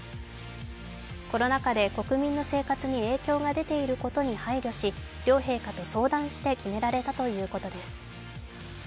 コロナ禍で国民の生活に影響が出ていることに配慮し、両陛下と相談して決められたということです。